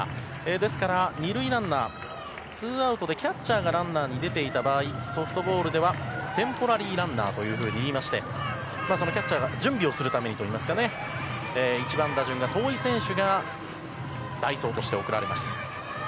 ですから２塁ランナーツーアウトでキャッチャーがランナーに出ていた場合ソフトボールではテンポラリーランナーといってキャッチャーが準備をするためにといいますか一番打順が遠い選手が代走として送られます。